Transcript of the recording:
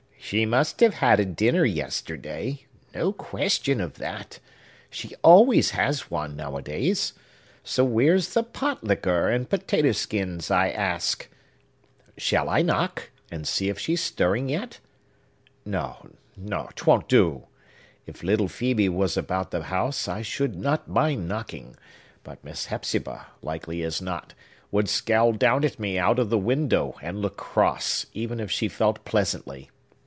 "She must have had a dinner yesterday,—no question of that! She always has one, nowadays. So where's the pot liquor and potato skins, I ask? Shall I knock, and see if she's stirring yet? No, no,—'twon't do! If little Phœbe was about the house, I should not mind knocking; but Miss Hepzibah, likely as not, would scowl down at me out of the window, and look cross, even if she felt pleasantly.